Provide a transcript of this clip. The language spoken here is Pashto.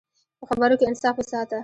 په خبرو کې انصاف وساته.